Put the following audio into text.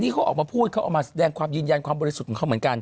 เขาออกมาพูดเขาออกมาแสดงความยืนยันความบริสุทธิ์ของเขาเหมือนกัน